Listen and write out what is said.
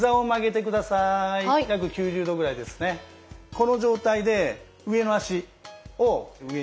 この状態で上の脚を上に。